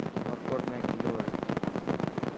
عمرڪوٽ ۾ ڪلو هي.